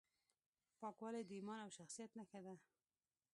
پاکوالی د ایمان او شخصیت نښه ده.